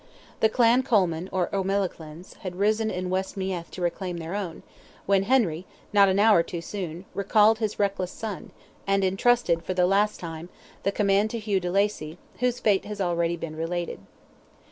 The Clan Colman, or O'Melaghlins, had risen in West Meath to reclaim their own, when Henry, not an hour too soon, recalled his reckless son, and entrusted, for the last time, the command to Hugh de Lacy, whose fate has been already related.